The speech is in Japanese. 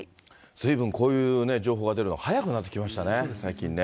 ずいぶんこういうね、情報が出るのが早くなってきましたね、最近ね。